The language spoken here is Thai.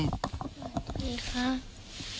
สวัสดีครับ